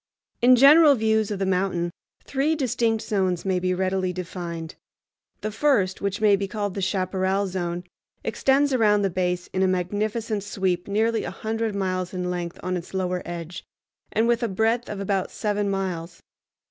In general views of the mountain three distinct zones may be readily defined. The first, which may be called the Chaparral Zone, extends around the base in a magnificent sweep nearly a hundred miles in length on its lower edge, and with a breadth of about seven miles.